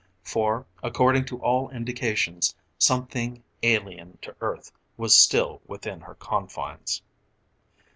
For, according to all indications, something alien to Earth was still within her confines.